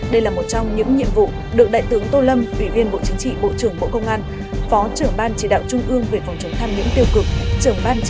đây là một trong những nhiệm vụ được đại tướng tô lâm ủy viên bộ chính trị bộ trưởng bộ công an phó trưởng ban chỉ đạo trung ương về phòng chống tham nhũng tiêu cực